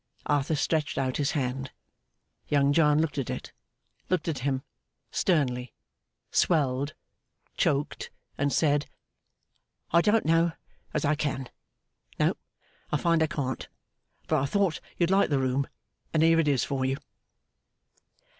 Arthur stretched out his hand. Young John looked at it, looked at him sternly swelled, choked, and said: 'I don't know as I can. No, I find I can't. But I thought you'd like the room, and here it is for you.